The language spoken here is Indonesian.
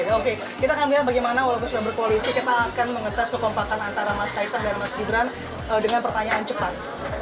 oke kita akan lihat bagaimana walaupun sudah berkoalisi kita akan mengetes kekompakan antara mas kaisar dan mas gibran dengan pertanyaan cepat